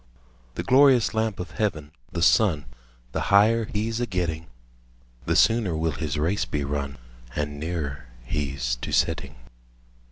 The glorious lamp of heaven, the sun, 5 The higher he 's a getting, The sooner will his race be run, And nearer he 's to setting.